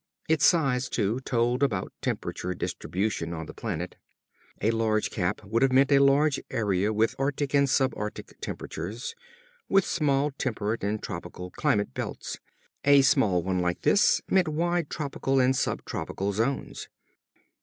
Its size, too, told about temperature distribution on the planet. A large cap would have meant a large area with arctic and sub arctic temperatures, with small temperate and tropical climate belts. A small one like this meant wide tropical and sub tropical zones.